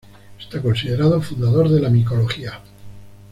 Está considerado fundador de la micología.